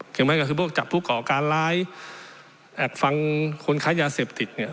หมายก็คือพวกจับผู้ก่อการร้ายแอบฟังคนค้ายาเสพติดเนี่ย